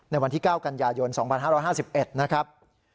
วันที่๙กันยายน๒๕๕๑นะครับ